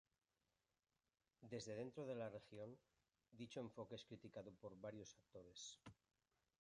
Desde dentro de la región, dicho enfoque es criticado por varios actores.